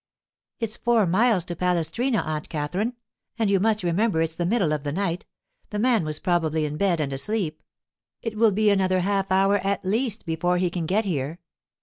'It's four miles to Palestrina, Aunt Katherine. And you must remember it's the middle of the night; the man was probably in bed and asleep. It will be another half hour at least before he can get here.